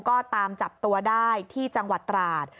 ก็ตามจับตัวได้ที่จังหวัดตราด